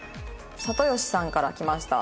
里吉さんから来ました。